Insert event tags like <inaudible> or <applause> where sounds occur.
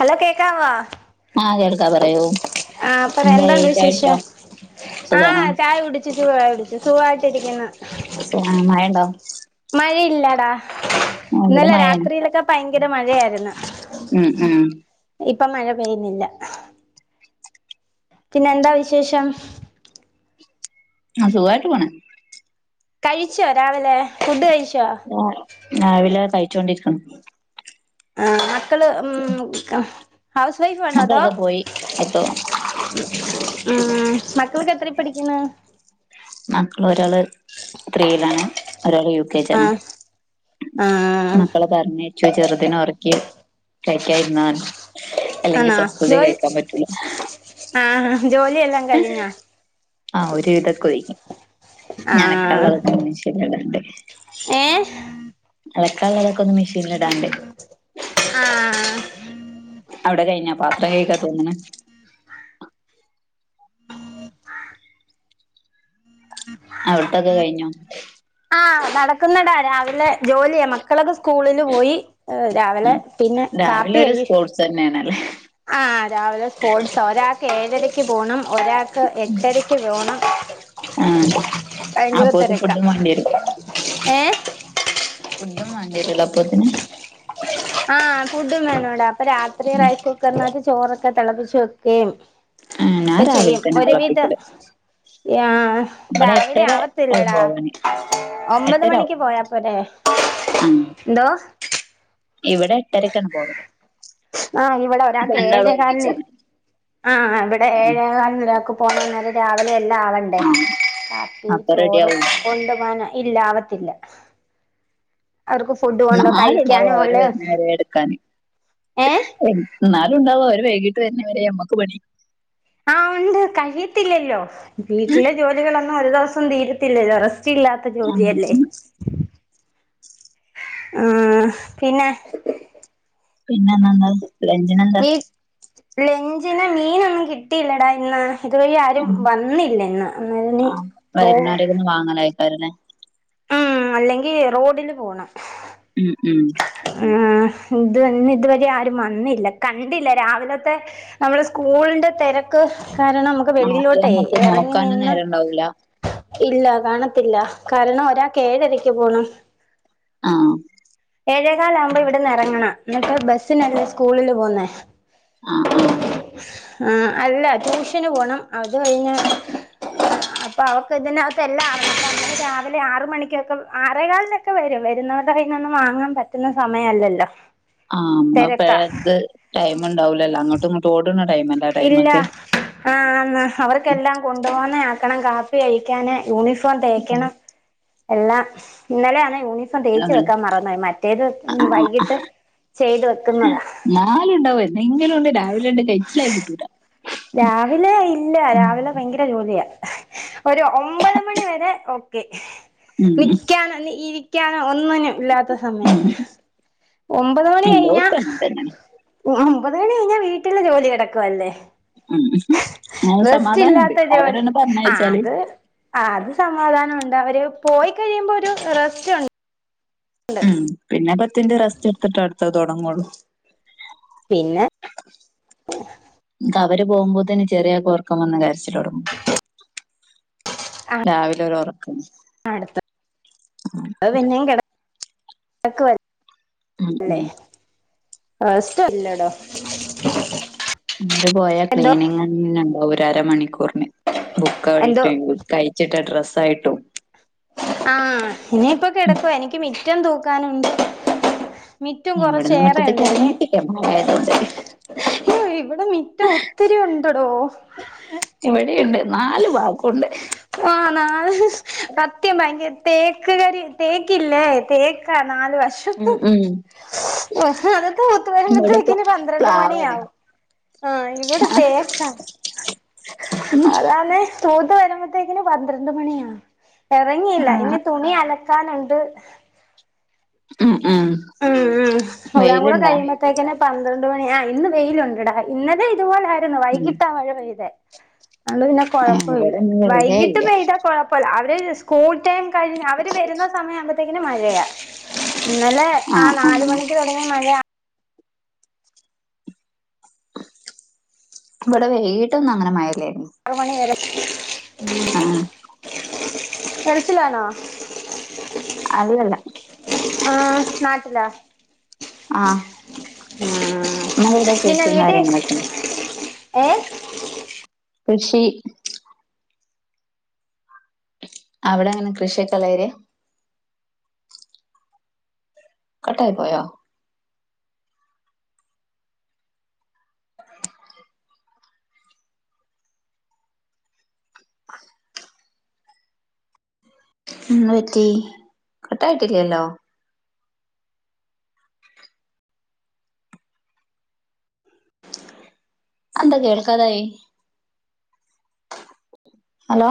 Hello കേക്കാവ ആഹ് കേൾക്കാ പറയൂ ആപ്പ എന്തായി <unintelligible> ചായുടിച്ചോ വിശേഷം ആ സുഖാണോ ചായ കുടി ച്ചു ചായുടിച്ചു സുഖായിട്ടിരിക്കുന്നു. സുഖ മയണ്ടോ? മഴയില്ലാടാ ഇന്നലെ മഴേണ് രാത്രിയിലൊക്കെ പയ ഭയങ്കര മഴയായിരുന്ന് ഉം ഉം ഇപ്പൊ മഴ പെയ്യുന്നില്ല പിന്നെ എന്താ വിശേഷം. ആഹ് സുഖായിട്ട് പോണ്. കഴിച്ചോ രാവിലെ. ഫുഡ് കഴിച്ചോ ആഹ് രാവിലെ കഴിച്ചു. കഴിച്ച് കൊണ്ടിരിക്കണ്. ആഹ് മക്കള് ഉം ഹൗസ് വൈഫ് ആണോ അതോ. മക്കളൊക്കെ പോയി അപ്പൊ ഉം മക്കൾക്ക് എത്ര പഠിക്കുന്ന? മക്കളെ ഒരാള് ത്രീയിലാണ് ഒരാള് യു കെ ജാണ്. ആഹ് ആഹ് മക്കളെ പർഞ്ഞ ച്ചു ചെറുത് ന് ഒറക്കി കഴിക്കാര്ന്നാണ് ആണോ? ജോലി ആഹ് ജോലിയെല്ലാം കഴിഞ്ഞോ ആഹ് ഒരു വിധകെ ഒഴിഞ്. ഞ്അലകാൻ ആഹ് ഉള്ളഹ് <unintelligible> മെഷിൻല് ടാൻണ്ട്. ഏഹ് ക്കാള്ളേഹ് ക്കൊന്ന് മെഷീൻല് ഇടാണ്ടേ ആഹ് അവിടെ കഴിഞ്ഞ പാത്ര കഴുകാ തോന്നുന്ന് അവിട്ത്തൊക്കെ കഴിഞ്ഞോ? ആഹ് നടക്കുന്നടാ രാവിലെ ജോലിയ മക്കളക്കെ സ്കൂളില് പോയി. ഏഹ് രാവിലെ പിന്നെ രാവിലെ കാപ്പി ഒരു എഴി സ്പോർട്സ് തന്നെയാണല്ലേ ആഹ് രാവിലെ സ്പോർട്സ ഒരാക്ക് ഏഴരക്ക് പോണം. ഒരാക്ക് എട്ടരക്ക് പോണം. ആഹ് അപ്പോത്ത് ഭയങ്കരത്തെരക്ക ഫുഡും ഏഹ് ഫുഡു വാണ്ട്യരൊല്ലൊ അപ്പോത്തിന് ആഹ് ഫുഡും വേണോടാ പ്പ രാത്രി റൈസ് കുക്കറിനാത് ചോറി ക്കെ തെളപ്പിച്ച് വെക്കേം ആഹ് ഞാൻ ക്കെ രാവിലെ ചെയ്യും. തന്നെ ഒരു വിധ തിളപ്പിക്കല് യാ ഇവിടെ രാവിലെ എട്ടര ആവും ആവത്തില്ലടാ പോവാന് ഒമ്പത് എട്ടര ആവും മണിക്ക് പോയാപ്പോരേ ആഹ് എന്തോ ഇവിടെ എട്ടരക്കാണ് പോവല് ആഹ് ഇവിടെ ഒരാൾക്ക് രണ്ടാളും ഏഴുകാലന് ഒരുമിച്ചാണ് ആഹ് ഇവിടെ ഉം ഏഴുകാലന് ഇതാകും. പോണം നേരം രാവിലെ എളുപ്പം. എല്ലാ ആവണ്ടേ ആഹ് കാപ്പി അപ്പൊ റെഡി ചോറ് ആവൂല കൊണ്ട് പോവൻ ഇല്ലാവത്തില്ല. എന്നാലും ഉണ്ടാവും അവര് ഉള്ള വരുന്നവരെ എടുക്കാനും. ഏഹ് എന്നാലും ഉണ്ടാവും അവര് വൈകീട്ട് വരുന്നവരെ നമുക്ക് പണി. ആഹ് ഉണ്ട് കഴിയത്തില്ലല്ലോ വീട്ടിലെ ജോലികൾ ഒന്നും. ആ ഒരു ദിവസം തീരത്തില്ലല്ലോ റെസ് <inaudible> ല്ലാത്ത ആഹ് ജോലിയല്ലേ ആ പിന്നെ പിന്നെന്ന് <unintelligible> ലഞ്ചിനെന്താ ലെഞ്ചിന് മീനൊന്നും കിട്ടിയില്ലടാ ഇന്ന് ഇത് വരെആരും വന്നില്ല ഇന്ന് അന്നേരെനി റോ വരണെ ആ അല്ലെങ്കിൽ റോഡിൽ പോണം ഉം ഉം ആഹ് ഇത് തന്നെ ഇതുവരെ ആരും വന്നില്ല കണ്ടില്ല രാവിലത്തെ നമ്മള് സ്കൂളിന്റെ തിരക്ക് കാരണം നമുക്ക് ആദ്യം വെള്ളിയിലോട്ടേ നമ്മക്ക് എറങ്ങി നോക്കാനും നിന്ന് നേരം ഉണ്ടാവൂല ഇല്ല കാണത്തില്ല കാരണം ഒരാക്ക് ഏഴരക്ക് പോണം ആ ഏഴേകാലാകുമ്പോ ഇവിടന്ന് എറങ്ങണം എന്നിട്ട് ബസ്സിനല്ലേ സ്കൂളില് പോകുന്നേ ആ ആ അ അല്ല ട്യൂഷന് പോണം അത്കഴിഞ്ഞ് അപ്പൊ അവക്ക് ഇതിനകത്ത് എല്ലാം അറിയാം <inaudible> രാവിലെ ആറ് മണിക്കൊക്കെ ആറേകാലിനൊക്കെവരും വരുന്നവരുടെ കൈയ്യിന്ന് ഒന്നുംവാങ്ങാൻ പറ്റുന്ന സമയല്ലല്ലോ ആ നമ്മള <unintelligible> പഴത് ടൈം ണ്ടാവുല്ലല്ലോ അങ്ങോട്ടു ഇങ്ങട്ട് ഓട് ഇല്ല ആ ആന്ന് ഉം അവർക്കെല്ലാം കൊണ്ടു പോവുന്നെ ആക്ക് ക്കണം കാപ്പികഴിക്കാന് യൂണിഫോ യൂണിഫോം ഉം തേക്കണം എല്ലാ ഇന്നലെ ആന്നേ യൂണിഫോം അങ്ങനെ തേച്ചുവെക്കാൻ മറന്നായി മറ്റേത് ആഹ് ആഹ് ആഹ് വൈകിട്ട് ചെയ്തവെക്കുന്നതാ എങ്കിലും ഉണ്ട് ഡ <unintelligible> കയിച്ചിലായി കിട്ടൂല രാവിലെ ഇല്ല ഉം രാവിലെ ഭയങ്കര ജോലിയാ ഒരു ഒമ്പത് മണി വരെ ഓക്കെ ഉം നിക്കാനൊന്ന് ഇരി ക്ക്യാനോ ഒന്നിനും ഇല്ലാത്ത സമയാ ഉം ഒമ്പത് മണി കഴഞ്ഞാ എല്ലോടത്തും അങ്ങനെ തന്നെയാണ് ഒമ്പത് മണി കഴിഞ്ഞാൽ വീട്ടില് ജോലി കിടക്കുവല്ലേ ഉം ഹ് ആ റെസ്റ്റ് സമാധാനണ്ട് ഇല്ലാത്ത അവരെ ജോലി ന്ന പറഞ്ഞയഴച്ചാല് സാധാനമുണ്ട് അവര് പോയി കഴിയുമ്പോ ഒരു റെസ്റ്റ് ഉണ്ട് ഉം പിന്നെ ത്തിന്റെ റസ്റ്റ് എട്ത്തിട്ട അടുത്ത തൊടങ്ങുള്ളൂ പിന്നെ അവര് പോകുമ്പോത്തിനി ചെറിയോക്ക് ഒറ്ക്കം വന്ന് കരചിലൊ ടങ്ങും ആ രാവിലെ ഒരു ഉറക്കം അടുത്തത് തക്ക്വൽ ഉംഉം ആ സ്റ്റല്ലടോ അവര് പോയാ ക്ലീനിങ െന്നണ്ടാ ഒരരമണിക്കൂർ ബുക്ക വഴിട്ട കഴിച്ചിട്ട ഡ്രസ് ഹയിട്ടും ആഹ് ഇനിയിപ്പൊ ഉം കെടക്ക്വ എനിക്ക് മി റ്റംതൂക്കാനുണ്ട് ഞ ഇവിടന്ന് മുറ്റത്തേക്ക് എറങ്ങി കിട്ടേ ർന്നു മയയ് തോ ണ്ട് അയ്യോ ഇവിടെ മിറ്റം ഒത്തിരി ഉണ്ടടോ ഇവിടെണ്ട് നാല് വാഗോണ്ട് ആണാണ് ഹ് ഹ് സത്യം ഭയങ്കര തേക്ക് കരി തേക്കില്ലേ തേക്കാ നല് ഉം വശത്തും ഉം ഹ് ഹ് അതെക്കെ പൂത്ത് ഇവിടെ പ്ല വരുമ്പോത്തേക്ക്ന് പന്ത്രണ്ട് പ്ലാവാണ് മണിയാാവും ആ ഇവടെ തേക്കാ അതാന്നെ പോത്ത് വരുമ്പോത്തേക്കിന് പന്ത്രണ്ട് മണിയാ എറങ്ങിയില്ല ഇനി ആഹ് തുണി അല ക്കാനുണ്ട് ഉം ഉം ഉം എല്ലാൻ കൂടെ വെയിലുണ്ടാ കഴിയുമ്പോത്തേക്കിന് പന്ത്രണ്ട് മണി ആ ഇന്ന് വെയിയിലുണ്ടടാ ഇന്നലെ ഇതുപോലെ ന്നു ഉം വൈകിട്ടാ മഴ പെയ്തെ അത് പിന്നെ ഏഹ് കൊഴപ്പൊല്ല ഇവിടെന്നും വെയിലേ വൈകിട്ട് ഇല്ല പെയ്താ കൊഴപ്പൊഅ <unintelligible> സ്കൂൾ <unintelligible> അവര് വരുന്ന സമയവുമ്പത്തെ ങ്കര മഴയ. ഇന്നലെ ആ ആഹ് നാല് ആഹ് മണിക്ക് തൊടങ്ങിയ മഴയാ. ഇവടെ വൈട്ടൊന്നും അങ്ങനെ മഴല്ലെൻ. ത്ര മണി വരെ. <inaudible> ആഹ് കരച്ചിലാണാ അല്ലല്ല നാട്ടില. ആഹ് നമ്മളെടെ പിന്നെ വീട്ടിൽ കൃഷികാര്യങ്ങളൊക്കെണ്ട്. ഏ കൃഷി. അവിടെ അങ്ങനെ കൃഷിയൊക്കെള്ളേര്യ കട്ടായി പോയോ? എന്ത് പറ്റി കട്ടായിട്ടില്ലല്ലോ. അഎന്ത കേൾക്കാതായെ ഹലോ?